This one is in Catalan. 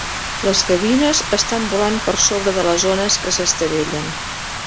Les gavines estan volant per sobre de les ones que s'estavellen.